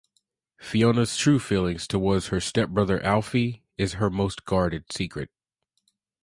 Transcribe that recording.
Fiona’s true feelings towards her stepbrother Alfie is her most guarded secret.